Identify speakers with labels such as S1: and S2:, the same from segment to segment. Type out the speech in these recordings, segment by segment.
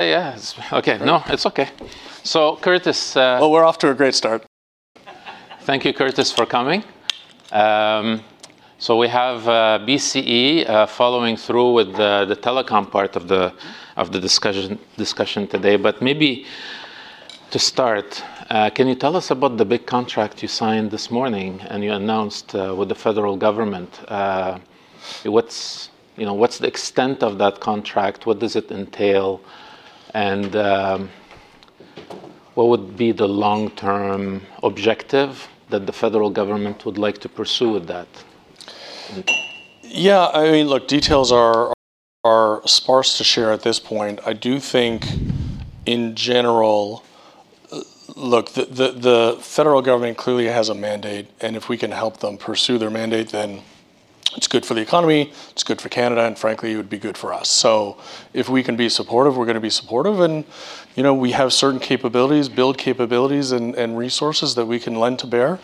S1: Yeah, okay. No, it's okay. Curtis.
S2: Well, we're off to a great start.
S1: Thank you, Curtis, for coming. We have BCE following through with the telecom part of the discussion today. Maybe to start, can you tell us about the big contract you signed this morning and you announced with the federal government? What's, you know, what's the extent of that contract? What does it entail? What would be the long-term objective that the federal government would like to pursue with that?
S2: Yeah, I mean, look, details are sparse to share at this point. I do think in general, look, the federal government clearly has a mandate. If we can help them pursue their mandate, it's good for the economy, it's good for Canada, frankly, it would be good for us. If we can be supportive, we're gonna be supportive. You know, we have certain capabilities, build capabilities and resources that we can lend to bear.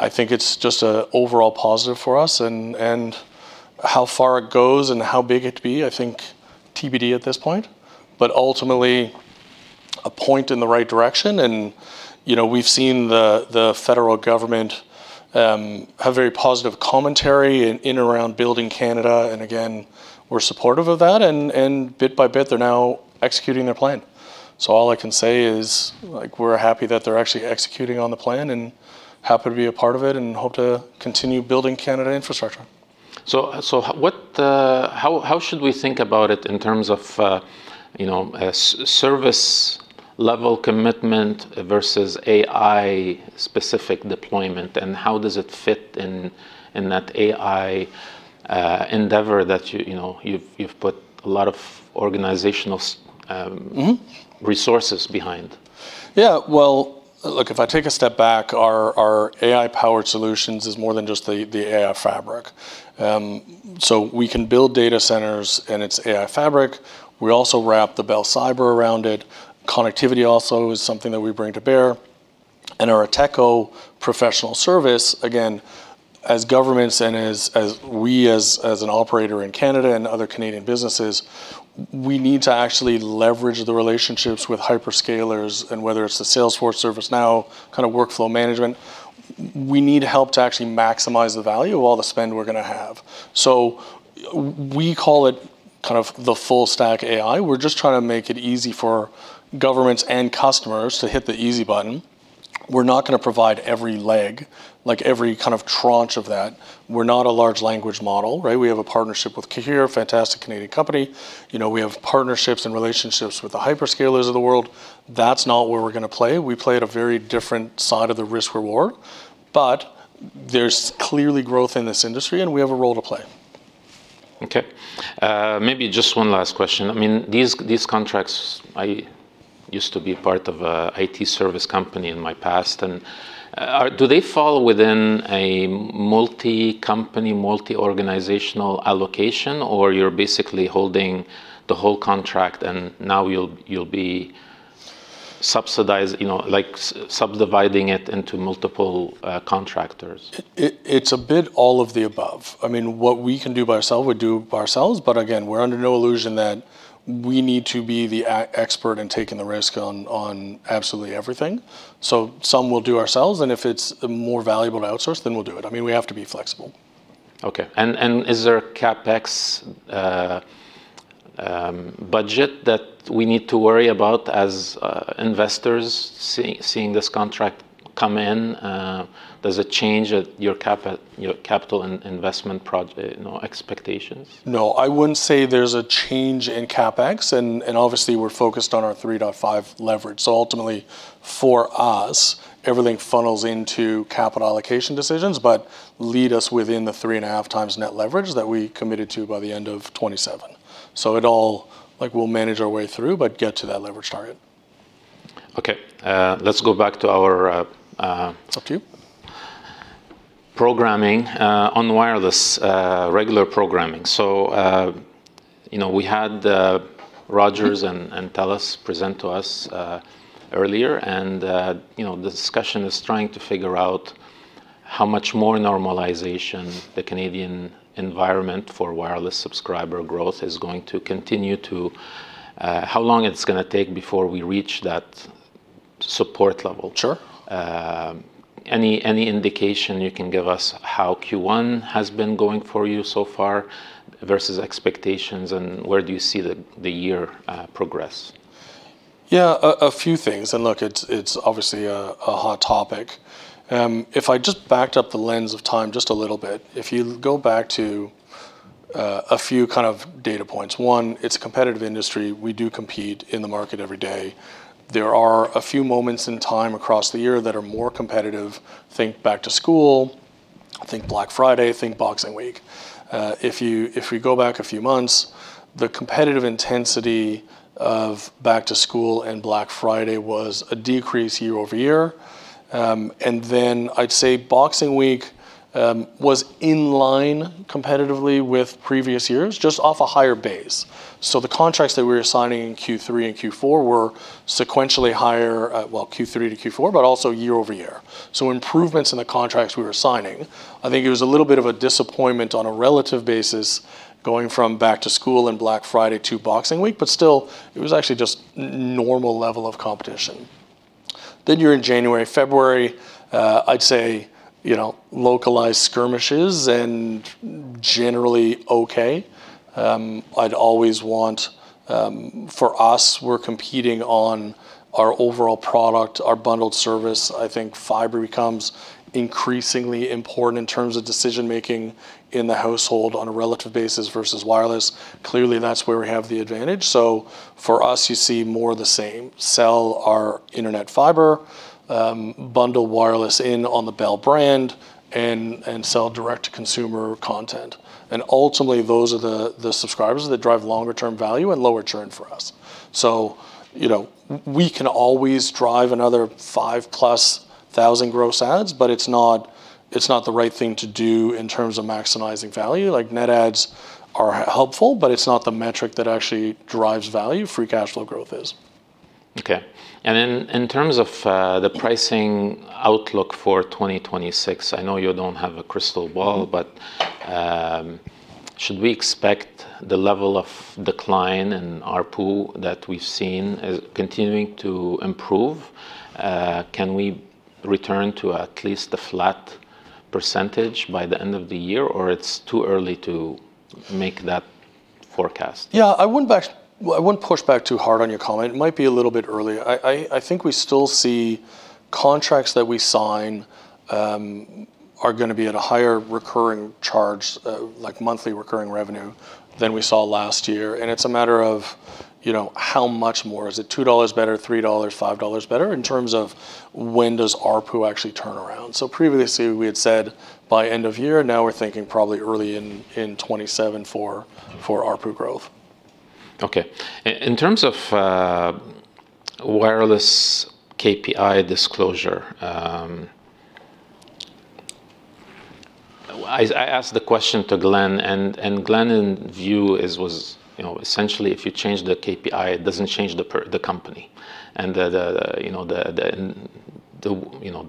S2: I think it's just an overall positive for us and how far it goes and how big it be, I think TBD at this point, ultimately a point in the right direction. You know, we've seen the federal government have very positive commentary in and around building Canada. Again, we're supportive of that. Bit by bit they're now executing their plan. All I can say is, like, we're happy that they're actually executing on the plan and happy to be a part of it and hope to continue building Canada infrastructure.
S1: What how should we think about it in terms of, you know, a service level commitment versus AI-specific deployment, and how does it fit in that AI endeavor that you know, you've put a lot of organizationa resources behind?
S2: Yeah. Well, look, if I take a step back, our AI-powered solutions is more than just the AI fabric. We can build data centers and its AI fabric. We also wrap the Bell Cyber around it. Connectivity also is something that we bring to bear. Our Ateko professional service, again, as governments and as we as an operator in Canada and other Canadian businesses, we need to actually leverage the relationships with hyperscalers. Whether it's the Salesforce, ServiceNow kind of workflow management, we need help to actually maximize the value of all the spend we're gonna have. We call it kind of the Full-Stack AI. We're just trying to make it easy for governments and customers to hit the easy button. We're not gonna provide every leg, like every kind of tranche of that. We're not a large language model, right? We have a partnership with Cohere, a fantastic Canadian company. You know, we have partnerships and relationships with the hyperscalers of the world. That's not where we're gonna play. We play at a very different side of the risk reward. There's clearly growth in this industry, and we have a role to play.
S1: Okay. Maybe just one last question. I mean, these contracts, I used to be part of a IT service company in my past. Do they fall within a multi-company, multi-organizational allocation, or you're basically holding the whole contract and now you'll be subdividing it into multiple contractors?
S2: It's a bit all of the above. I mean, what we can do by ourselves, we do by ourselves. Again, we're under no illusion that we need to be the e-expert in taking the risk on absolutely everything. Some we'll do ourselves, and if it's more valuable to outsource, then we'll do it. I mean, we have to be flexible.
S1: Okay. Is there a CapEx budget that we need to worry about as investors seeing this contract come in? Does it change your capital investment project, you know, expectations?
S2: No, I wouldn't say there's a change in CapEx. Obviously we're focused on our 3.5x leverage. Ultimately for us, everything funnels into capital allocation decisions, but lead us within the 3.5x net leverage that we committed to by the end of 2027. Like we'll manage our way through, but get to that leverage target.
S1: Okay. let's go back to our.
S2: It's up to you....
S1: programming, on wireless, regular programming. You know, we had Rogers and Telus present to us earlier. You know, the discussion is trying to figure out how much more normalization the Canadian environment for wireless subscriber growth is going to continue to, how long it's gonna take before we reach that support level.
S2: Sure.
S1: Any indication you can give us how Q1 has been going for you so far versus expectations? Where do you see the year progress?
S2: Yeah, a few things. Look, it's obviously a hot topic. If I just backed up the lens of time just a little bit, if you go back to, a few kind of data points. One, it's a competitive industry. We do compete in the market every day. There are a few moments in time across the year that are more competitive. Think back to school, think Black Friday, think Boxing Week. If we go back a few months, the competitive intensity of back to school and Black Friday was a decrease year-over-year. Then I'd say Boxing Week, was in line competitively with previous years, just off a higher base. The contracts that we were signing in Q3 and Q4 were sequentially higher at, well, Q3 to Q4, but also year-over-year. Improvements in the contracts we were signing. I think it was a little bit of a disappointment on a relative basis going from back to school and Black Friday to Boxing Week, still, it was actually just normal level of competition. You're in January. February, I'd say, you know, localized skirmishes and generally okay. I'd always want for us, we're competing on our overall product, our bundled service. I think fiber becomes increasingly important in terms of decision-making in the household on a relative basis versus wireless. Clearly, that's where we have the advantage. For us, you see more of the same: sell our internet fiber, bundle wireless in on the Bell brand, and sell direct-to-consumer content. Ultimately, those are the subscribers that drive longer-term value and lower churn for us. You know, we can always drive another 5,000+ gross adds, but it's not the right thing to do in terms of maximizing value. Like, net adds are helpful, but it's not the metric that actually drives value. Free cash flow growth is.
S1: Okay. In terms of the pricing outlook for 2026, I know you don't have a crystal ball, but should we expect the level of decline in ARPU that we've seen is continuing to improve? Can we return to at least a flat percentage by the end of the year, or it's too early to make that forecast?
S2: I wouldn't push back too hard on your comment. It might be a little bit early. I think we still see contracts that we sign, are gonna be at a higher recurring charge, like monthly recurring revenue than we saw last year. It's a matter of, you know, how much more? Is it 2 dollars better, 3 dollars, 5 dollars better in terms of when does ARPU actually turn around? Previously, we had said by end of year. Now we're thinking probably early in 2027 for ARPU growth.
S1: Okay. In terms of wireless KPI disclosure, I asked the question to Glenn, and Glenn in view was, you know, essentially, if you change the KPI, it doesn't change the company and the, you know,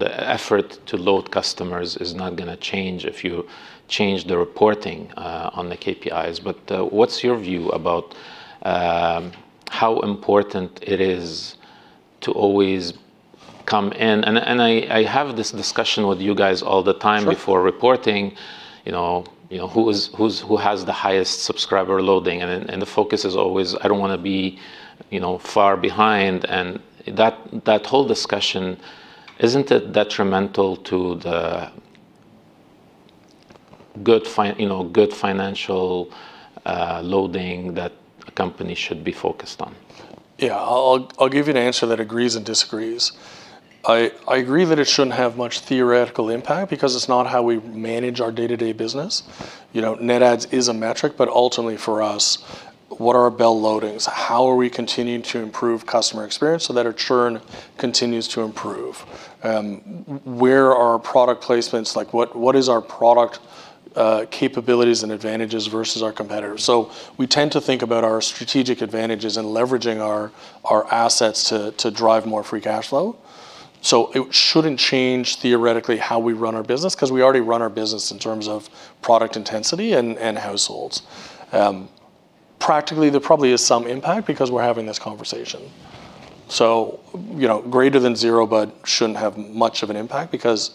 S1: the effort to load customers is not gonna change if you change the reporting on the KPIs. What's your view about how important it is to always come in? I have this discussion with you guys all the time.
S2: Sure,
S1: ...before reporting, you know, who has the highest subscriber loading. The focus is always, "I don't wanna be, you know, far behind." That whole discussion, isn't it detrimental to the good you know, good financial loading that a company should be focused on?
S2: I'll give you an answer that agrees and disagrees. I agree that it shouldn't have much theoretical impact because it's not how we manage our day-to-day business. You know, net adds is a metric, but ultimately for us, what are our Bell loadings? How are we continuing to improve customer experience so that our churn continues to improve? Where are our product placements? Like, what is our product capabilities and advantages versus our competitors? We tend to think about our strategic advantages and leveraging our assets to drive more free cash flow. It shouldn't change theoretically how we run our business, 'cause we already run our business in terms of product intensity and households. Practically, there probably is some impact because we're having this conversation. You know, greater than zero, but shouldn't have much of an impact because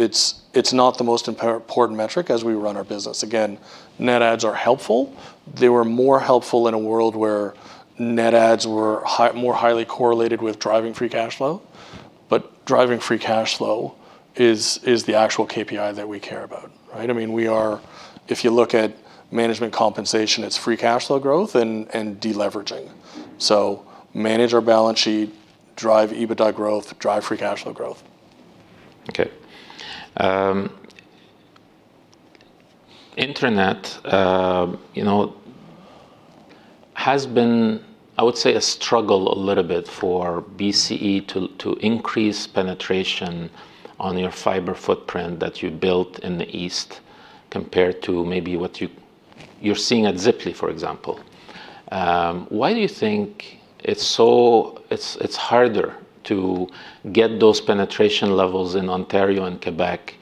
S2: it's not the most important metric as we run our business. Again, net adds are helpful. They were more helpful in a world where net adds were more highly correlated with driving free cash flow. Driving free cash flow is the actual KPI that we care about, right? I mean, If you look at management compensation, it's free cash flow growth and de-leveraging. Manage our balance sheet, drive EBITDA growth, drive free cash flow growth.
S1: Internet, you know, has been, I would say, a struggle a little bit for BCE to increase penetration on your fiber footprint that you built in the East compared to maybe what you're seeing at Ziply, for example. Why do you think it's harder to get those penetration levels in Ontario and Quebec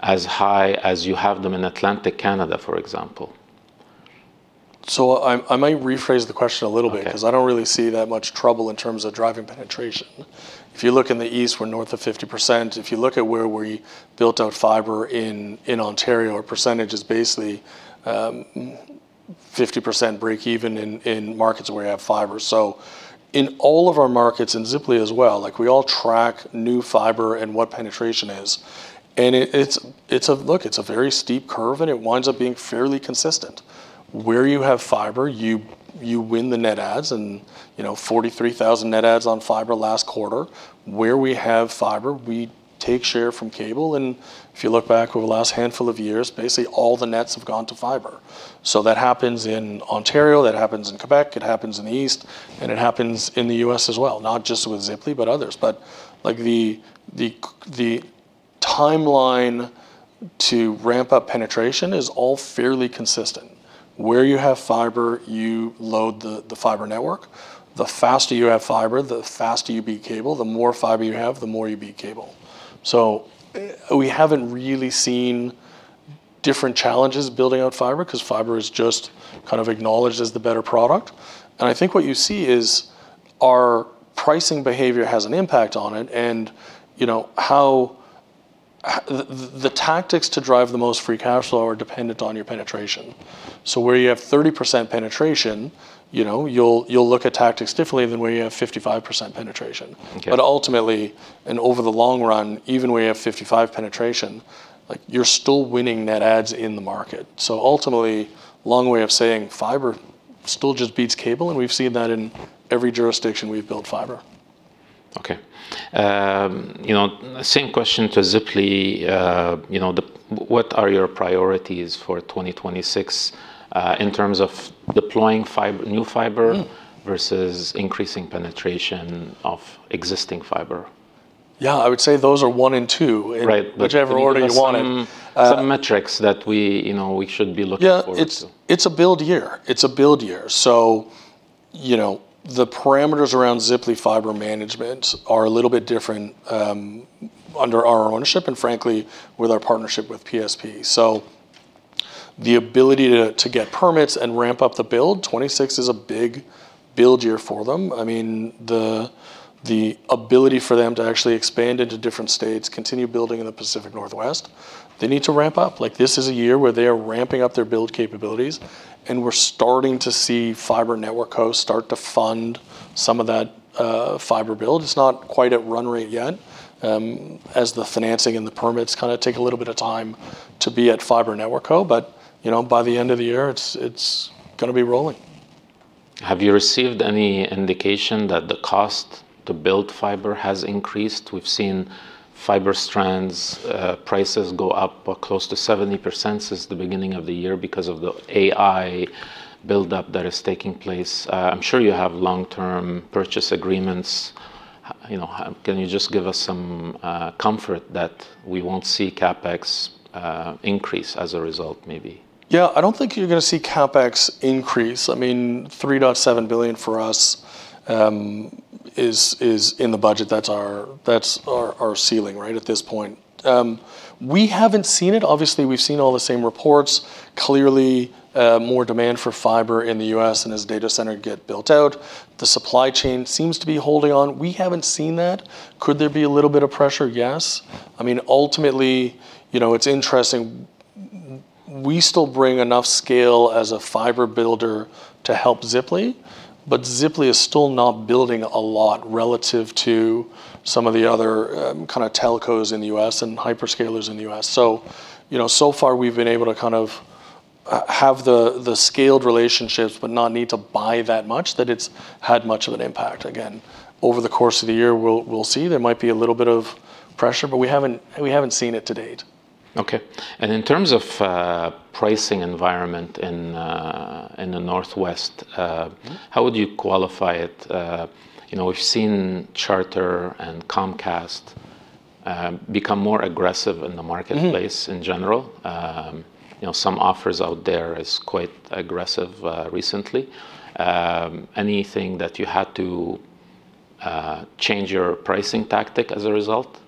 S1: as high as you have them in Atlantic Canada, for example?
S2: I might rephrase the question a little bit.
S1: Okay.
S2: 'cause I don't really see that much trouble in terms of driving penetration. If you look in the East, we're north of 50%. If you look at where we built out fiber in Ontario, our percentage is basically 50% break even in markets where we have fiber. In all of our markets, in Ziply as well, like we all track new fiber and what penetration is, and it's a Look, it's a very steep curve, and it winds up being fairly consistent. Where you have fiber, you win the net adds and, you know, 43,000 net adds on fiber last quarter. Where we have fiber, we take share from cable, and if you look back over the last handful of years, basically all the nets have gone to fiber. That happens in Ontario, that happens in Quebec, it happens in the East, and it happens in the U.S. as well, not just with Ziply, but others. Like, the, the timeline to ramp up penetration is all fairly consistent. Where you have fiber, you load the fiber network. The faster you have fiber, the faster you beat cable. The more fiber you have, the more you beat cable. We haven't really seen different challenges building out fiber, 'cause fiber is just kind of acknowledged as the better product. I think what you see is our pricing behavior has an impact on it and, you know, how the tactics to drive the most free cash flow are dependent on your penetration. Where you have 30% penetration, you know, you'll look at tactics differently than where you have 55% penetration.
S1: Okay.
S2: Ultimately, and over the long run, even where you have 55% penetration, like, you're still winning net adds in the market. Ultimately, long way of saying fiber still just beats cable, and we've seen that in every jurisdiction we've built fiber.
S1: Okay. you know, same question to Ziply, you know, what are your priorities for 2026, in terms of deploying fiber, new fiber versus increasing penetration of existing fiber?
S2: Yeah, I would say those are one and two whichever order you want it.
S1: Some metrics that we, you know, we should be looking for.
S2: Yeah, it's a build year. It's a build year. You know, the parameters around Ziply Fiber management are a little bit different under our ownership, and frankly, with our partnership with PSP. The ability to get permits and ramp up the build, 2026 is a big build year for them. I mean, the ability for them to actually expand into different states, continue building in the Pacific Northwest, they need to ramp up. Like, this is a year where they are ramping up their build capabilities, and we're starting to see fiber network hosts start to fund some of that fiber build. It's not quite at run rate yet, as the financing and the permits kinda take a little bit of time to be at fiber network co, but, you know, by the end of the year, it's gonna be rolling.
S1: Have you received any indication that the cost to build fiber has increased? We've seen fiber strands, prices go up close to 70% since the beginning of the year because of the AI buildup that is taking place. I'm sure you have long-term purchase agreements. You know, can you just give us some comfort that we won't see CapEx increase as a result maybe?
S2: Yeah, I don't think you're gonna see CapEx increase. I mean, $3.7 billion for us is in the budget. That's our ceiling right at this point. We haven't seen it. Obviously, we've seen all the same reports. Clearly, more demand for fiber in the U.S., and as data center get built out, the supply chain seems to be holding on. We haven't seen that. Could there be a little bit of pressure? Yes. I mean, ultimately, you know, it's interesting, we still bring enough scale as a fiber builder to help Ziply, but Ziply is still not building a lot relative to some of the other kinda telcos in the U.S. and hyperscalers in the U.S. You know, so far, we've been able to kind of have the scaled relationships, but not need to buy that much, that it's had much of an impact. Again, over the course of the year, we'll see. There might be a little bit of pressure, but we haven't seen it to date.
S1: Okay. In terms of pricing environment in the Northwest? How would you qualify it? You know, we've seen Charter and Comcast become more aggressive in the marketplace in general. You know, some offers out there is quite aggressive, recently. Anything that you had to change your pricing tactic as a result?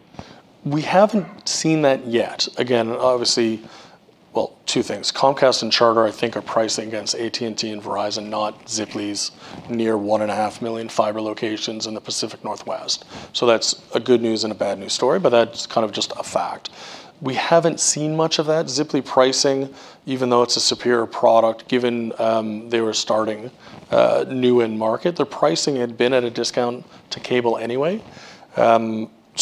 S2: We haven't seen that yet. Again, Well, two things. Comcast and Charter I think are pricing against AT&T and Verizon, not Ziply's near 1.5 million fiber locations in the Pacific Northwest. That's a good news and a bad news story, but that's kind of just a fact. We haven't seen much of that. Ziply pricing, even though it's a superior product, given, they were starting new in market, their pricing had been at a discount to cable anyway.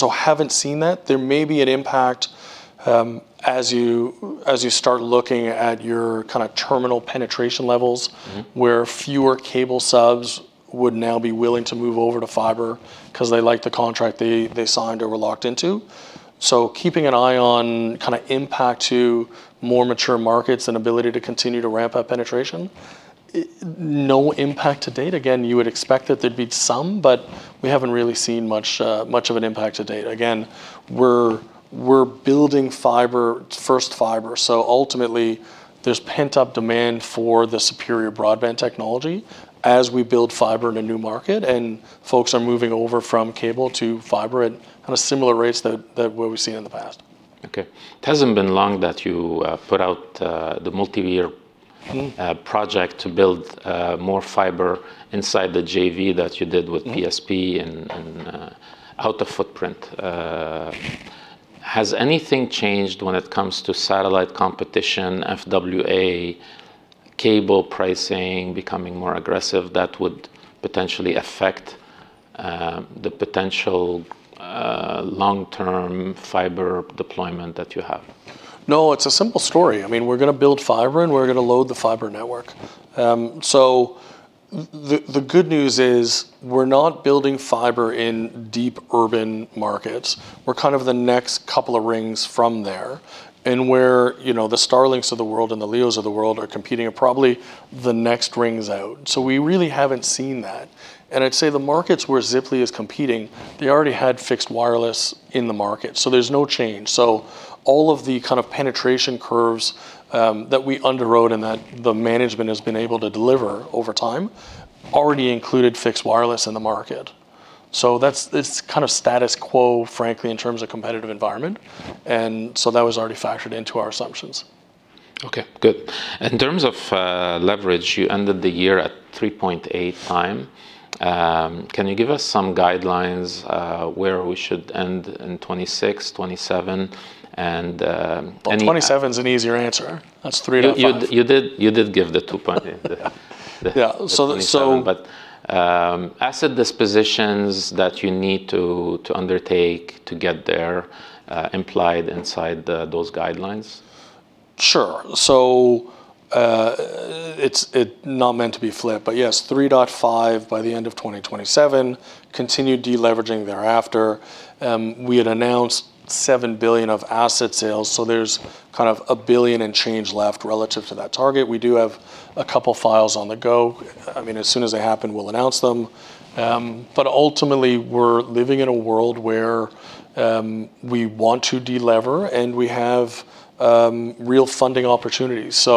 S2: Haven't seen that. There may be an impact, as you start looking at your kind of terminal penetration levels where fewer cable subs would now be willing to move over to fiber, 'cause they like the contract they signed or were locked into. Keeping an eye on kinda impact to more mature markets and ability to continue to ramp up penetration. No impact to date. Again, you would expect that there'd be some, but we haven't really seen much of an impact to date. Again, we're building fiber, first fiber, so ultimately, there's pent-up demand for the superior broadband technology as we build fiber in a new market and folks are moving over from cable to fiber at kinda similar rates that what we've seen in the past.
S1: Okay. It hasn't been long that you put out the multiyear project to build, more fiber inside the JV that you did with PSP and, out the footprint. Has anything changed when it comes to satellite competition, FWA, cable pricing becoming more aggressive that would potentially affect, the potential, long-term fiber deployment that you have?
S2: No, it's a simple story. I mean, we're gonna build fiber, and we're gonna load the fiber network. The good news is we're not building fiber in deep urban markets. We're kind of the next couple of rings from there. Where, you know, the Starlink of the world and the LEOs of the world are competing are probably the next rings out. We really haven't seen that. I'd say the markets where Ziply is competing, they already had fixed wireless in the market, so there's no change. All of the kind of penetration curves that we underwrote and that the management has been able to deliver over time already included fixed wireless in the market. It's kind of status quo, frankly, in terms of competitive environment, that was already factored into our assumptions.
S1: Okay. Good. In terms of leverage, you ended the year at 3.8x. Can you give us some guidelines, where we should end in 2026, 2027?
S2: Well, 2027's an easier answer. That's 3x-5x.
S1: You did give the two point 2027, but, asset dispositions that you need to undertake to get there, implied inside the, those guidelines.
S2: Sure. It's not meant to be flip, but yes, 3.5x leverage by the end of 2027. Continued de-leveraging thereafter. We had announced 7 billion of asset sales, so there's kind of 1 billion and change left relative to that target. We do have a couple files on the go. I mean, as soon as they happen, we'll announce them. Ultimately, we're living in a world where we want to de-lever, and we have real funding opportunities.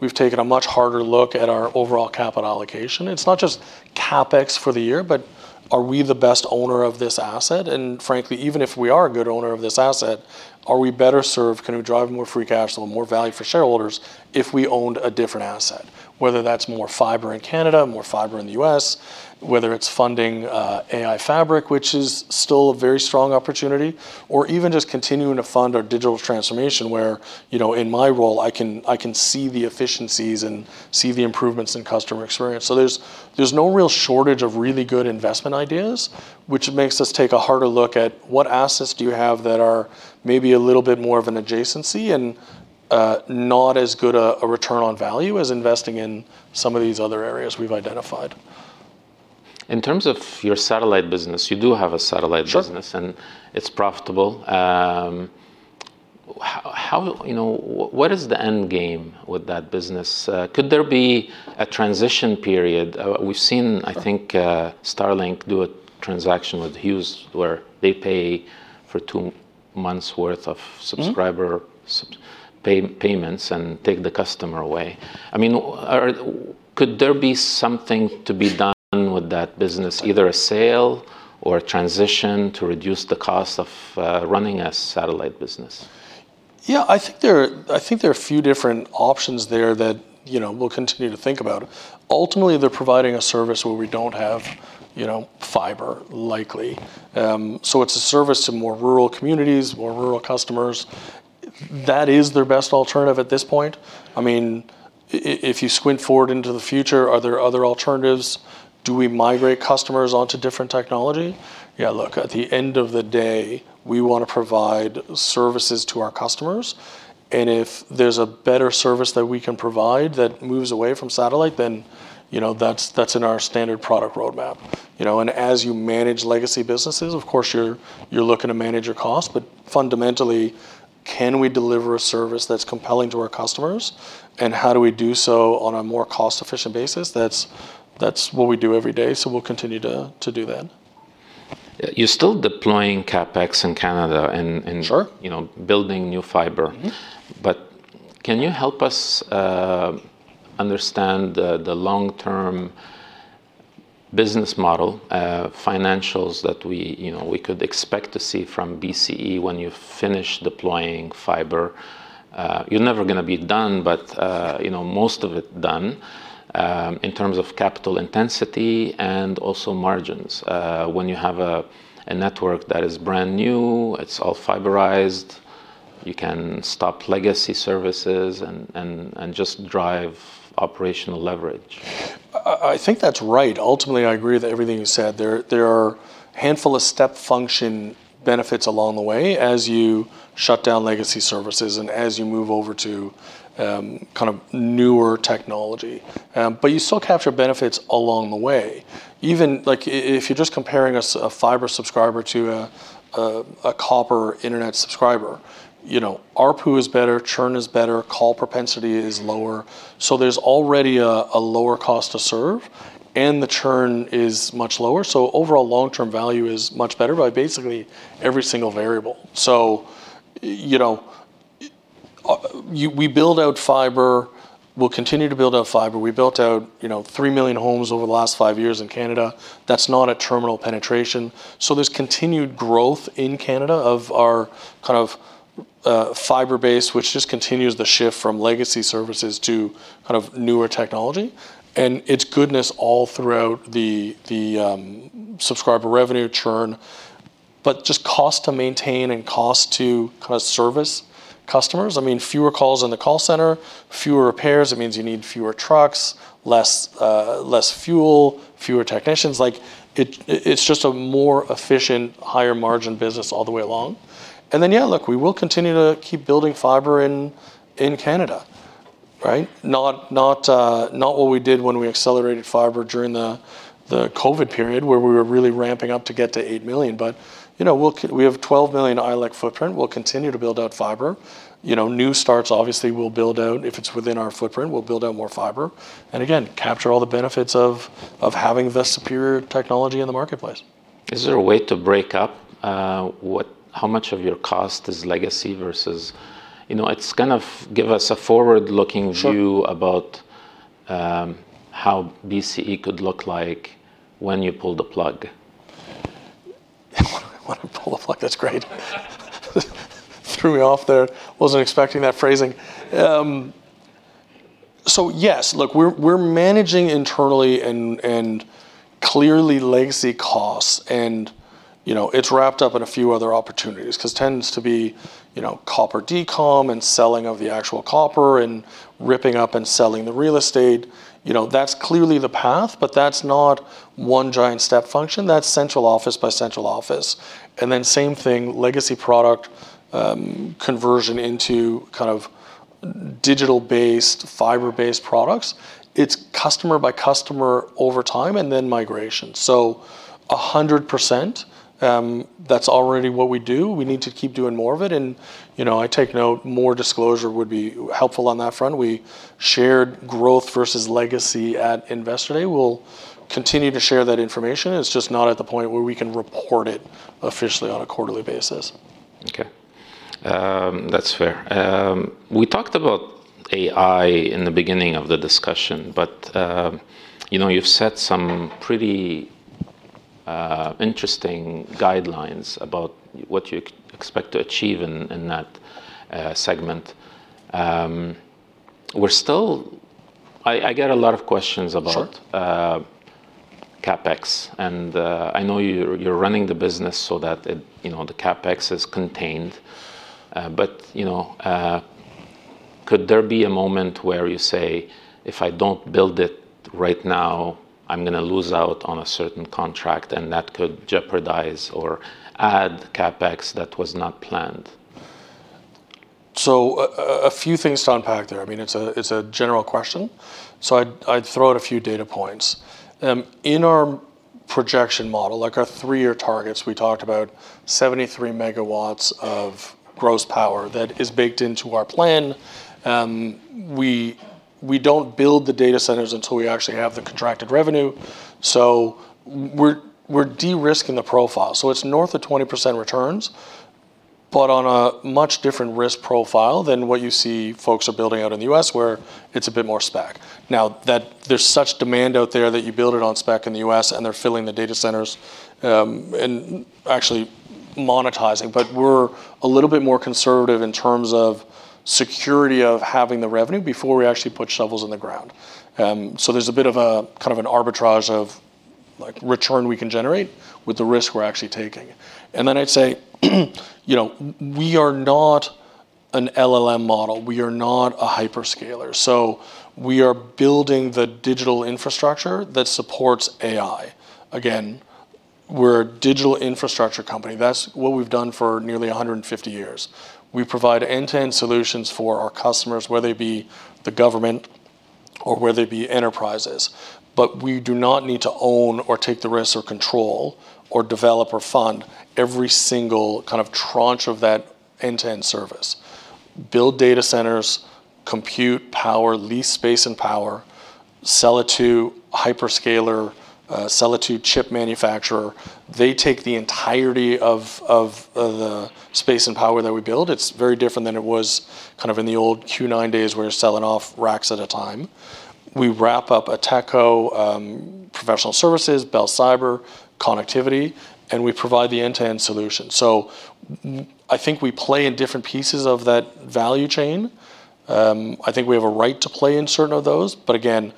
S2: We've taken a much harder look at our overall capital allocation. It's not just CapEx for the year, but are we the best owner of this asset? Frankly, even if we are a good owner of this asset, are we better served? Can we drive more free cash flow, more value for shareholders if we owned a different asset? Whether that's more fiber in Canada, more fiber in the U.S., whether it's funding, AI fabric, which is still a very strong opportunity, or even just continuing to fund our digital transformation, where, you know, in my role, I can, I can see the efficiencies and see the improvements in customer experience. There's, there's no real shortage of really good investment ideas, which makes us take a harder look at what assets do you have that are maybe a little bit more of an adjacency and, not as good a return on value as investing in some of these other areas we've identified.
S1: In terms of your satellite business, you do have a satellite business and it's profitable. How, you know. What is the end game with that business? Could there be a transition period? We've seen, I think, Starlink do a transaction with Hughes, where they pay for two months' worth of subscriber payments and take the customer away. I mean, could there be something to be done with that business, either a sale or a transition to reduce the cost of running a satellite business?
S2: I think there are a few different options there that, you know, we'll continue to think about. Ultimately, they're providing a service where we don't have, you know, fiber likely. It's a service to more rural communities, more rural customers. That is their best alternative at this point. I mean, if you squint forward into the future, are there other alternatives? Do we migrate customers onto different technology? Look, at the end of the day, we wanna provide services to our customers, and if there's a better service that we can provide that moves away from satellite, then, you know, that's in our standard product roadmap. As you manage legacy businesses, of course, you're looking to manage your cost. Fundamentally, can we deliver a service that's compelling to our customers, and how do we do so on a more cost-efficient basis? That's what we do every day, so we'll continue to do that.
S1: You're still deploying CapEx in Canada and you know, building new fiber. Can you help us understand the long-term business model, financials that we, you know, we could expect to see from BCE when you finish deploying fiber? You're never gonna be done, but, you know, most of it done, in terms of capital intensity and also margins. When you have a network that is brand new, it's all fiberized, you can stop legacy services and just drive operational leverage.
S2: I think that's right. Ultimately, I agree with everything you said. There are handful of step function benefits along the way as you shut down legacy services and as you move over to kind of newer technology. You still capture benefits along the way. Even, like, if you're just comparing a fiber subscriber to a copper internet subscriber, you know, ARPU is better, churn is better, call propensity is lower. There's already a lower cost to serve, and the churn is much lower, so overall long-term value is much better by basically every single variable. You know, we build out fiber. We'll continue to build out fiber. We built out, you know, 3 million homes over the last five years in Canada. That's not a terminal penetration. There's continued growth in Canada of our kind of fiber base, which just continues the shift from legacy services to kind of newer technology. It's goodness all throughout the subscriber revenue churn. Just cost to maintain and cost to kind of service customers. I mean, fewer calls in the call center, fewer repairs. It means you need fewer trucks, less fuel, fewer technicians. Like, it's just a more efficient, higher margin business all the way along. Yeah, look, we will continue to keep building fiber in Canada, right? Not what we did when we accelerated fiber during the COVID period, where we were really ramping up to get to 8 million. You know, we have 12 million ILEC footprint. We'll continue to build out fiber. You know, new starts obviously will build out. If it's within our footprint, we'll build out more fiber and again, capture all the benefits of having the superior technology in the marketplace.
S1: Is there a way to break up how much of your cost is legacy versus? You know, it's kind of give us a forward-looking view about how BCE could look like when you pull the plug.
S2: When I pull the plug. That's great. Threw me off there. Wasn't expecting that phrasing. Yes. Look, we're managing internally and clearly legacy costs and, you know, it's wrapped up in a few other opportunities 'cause it tends to be, you know, copper decommissioning and selling of the actual copper and ripping up and selling the real estate. You know, that's clearly the path, but that's not one giant step function. That's central office by central office. Same thing, legacy product, conversion into kind of digital-based, fiber-based products. It's customer by customer over time, and then migration. 100%, that's already what we do. We need to keep doing more of it and, you know, I take note more disclosure would be helpful on that front. We shared growth versus legacy at Investor Day. We'll continue to share that information. It's just not at the point where we can report it officially on a quarterly basis.
S1: Okay. That's fair. We talked about AI in the beginning of the discussion, but, you know, you've set some pretty, interesting guidelines about what you expect to achieve in that, segment. I get a lot of questions about CapEx and, I know you're running the business so that it, you know, the CapEx is contained. You know, could there be a moment where you say, "If I don't build it right now, I'm gonna lose out on a certain contract," and that could jeopardize or add CapEx that was not planned?
S2: A few things to unpack there. I mean, it's a general question. I'd throw out a few data points. In our projection model, like our three-year targets, we talked about 73 MW of gross power that is baked into our plan. We don't build the data centers until we actually have the contracted revenue. We're de-risking the profile. It's north of 20% returns, but on a much different risk profile than what you see folks are building out in the U.S. where it's a bit more spec. That there's such demand out there that you build it on spec in the U.S. and they're filling the data centers and actually monetizing. We're a little bit more conservative in terms of security of having the revenue before we actually put shovels in the ground. There's a bit of a, kind of an arbitrage of, like, return we can generate with the risk we're actually taking. I'd say, you know, we are not an LLM model. We are not a hyperscaler. We are building the digital infrastructure that supports AI. Again, we're a digital infrastructure company. That's what we've done for nearly 150 years. We provide end-to-end solutions for our customers, whether they be the government or whether they be enterprises. We do not need to own or take the risk or control or develop or fund every single kind of tranche of that end-to-end service. Build data centers, compute power, lease space and power, sell it to hyperscaler, sell it to chip manufacturer. They take the entirety of the space and power that we build. It's very different than it was kind of in the old Q9 days where you're selling off racks at a time. We wrap up Ateko, professional services, Bell Cyber, connectivity, and we provide the end-to-end solution. I think we play in different pieces of that value chain. I think we have a right to play in certain of those. Again,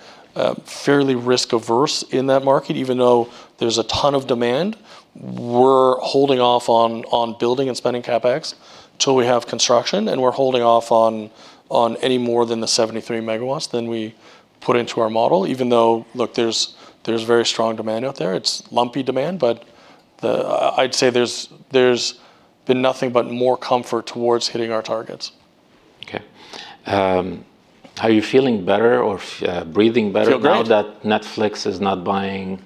S2: fairly risk-averse in that market. Even though there's a ton of demand, we're holding off on building and spending CapEx till we have construction, and we're holding off on any more than the 73 MW than we put into our model, even though, look, there's very strong demand out there. It's lumpy demand, but I'd say there's been nothing but more comfort towards hitting our targets.
S1: Okay. Are you feeling better or breathing better?
S2: Feel great.
S1: Now that Netflix is not buying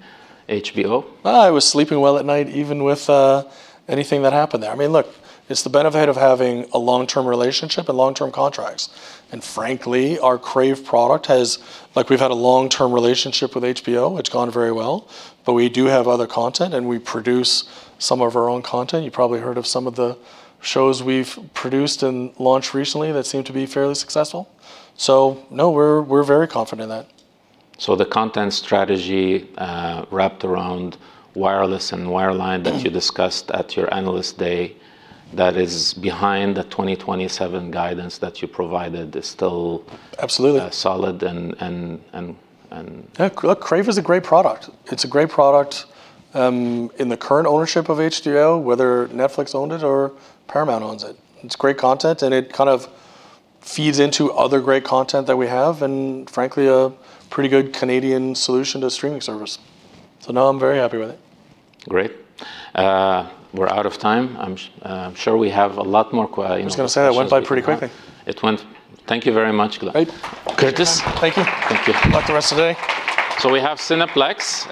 S1: HBO?
S2: I was sleeping well at night even with anything that happened there. I mean, look, it's the benefit of having a long-term relationship and long-term contracts. Frankly, our Crave product, like, we've had a long-term relationship with HBO. It's gone very well. We do have other content, and we produce some of our own content. You probably heard of some of the shows we've produced and launched recently that seem to be fairly successful. No, we're very confident in that.
S1: The content strategy, wrapped around wireless and wireline that you discussed at your Analyst Day that is behind the 2027 guidance that you provided is still.
S2: Absolutely.
S1: Solid and.
S2: Yeah. Crave is a great product. It's a great product, in the current ownership of HBO, whether Netflix owned it or Paramount owns it. It's great content, and it kind of feeds into other great content that we have and, frankly, a pretty good Canadian solution to streaming service. No, I'm very happy with it.
S1: Great. We're out of time. I'm sure we have a lot more.
S2: I was gonna say that went by pretty quickly.
S1: Thank you very much, Glen.
S2: Great.
S1: Curtis.
S2: Thank you.
S1: Thank you.
S2: Enjoy the rest of the day.
S1: We have Cineplex.